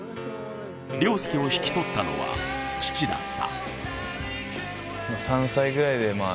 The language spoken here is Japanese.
稜佑を引き取ったのは父だった。